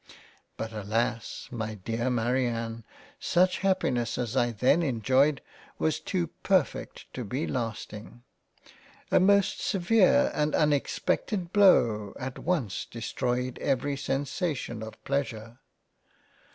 But alas ! my Dear Marianne such Happiness as I then enjoyed was too perfect to be last ing. A most severe and unexpected Blow at once destroyed every sensation of Pleasure.